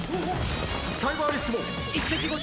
サイバーリスクも！